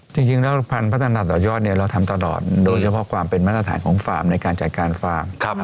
จริงแล้วพันธุ์พัฒนาต่อยอดเราทำตลอดโดยเฉพาะความเป็นมาตรฐานของฟาร์มในการจัดการฟาร์ม